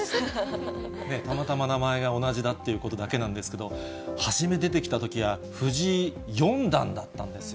たまたま名前が同じだということだけなんですけど、初め出てきたときは、藤井四段だったんですよ。